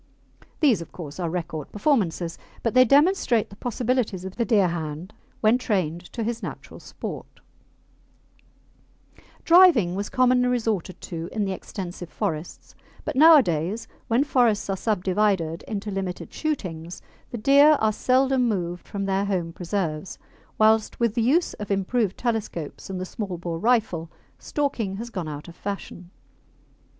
These, of course, are record performances, but they demonstrate the possibilities of the Deerhound when trained to his natural sport. [Illustration: MRS. ARMSTRONG'S DEERHOUND CH. TALISMAN] Driving was commonly resorted to in the extensive forests, but nowadays when forests are sub divided into limited shootings the deer are seldom moved from their home preserves, whilst with the use of improved telescopes and the small bore rifle, stalking has gone out of fashion.